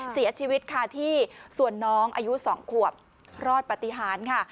เสียชีวิตค่ะที่ส่วนน้องอายุ๒ขวบรอดปฏิหารค่ะ